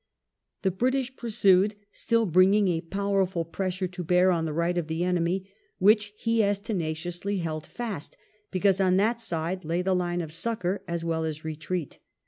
The British pursued, still bringing a powerful pressure to bear on the right of the enemy, which he as tenaciously held fast, because on that side lay the line of succour as well as retreat.